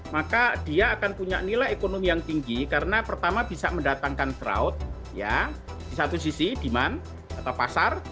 maka dia akan punya nilai ekonomi yang tinggi karena pertama bisa mendatangkan crowd ya di satu sisi demand atau pasar